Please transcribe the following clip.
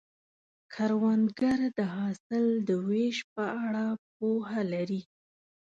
کروندګر د حاصل د ویش په اړه پوهه لري